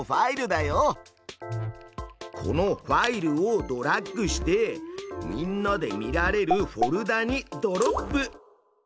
このファイルをドラッグしてみんなで見られるフォルダにドロップ！